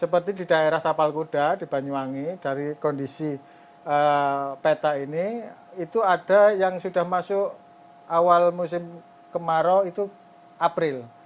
seperti di daerah tapal kuda di banyuwangi dari kondisi peta ini itu ada yang sudah masuk awal musim kemarau itu april